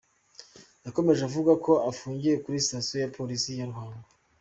Yakomeje avuga ko afungiye kuri Sitasiyo ya Polisi ya Ruhango.